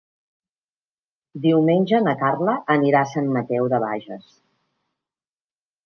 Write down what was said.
Diumenge na Carla anirà a Sant Mateu de Bages.